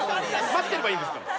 待ってればいいですから。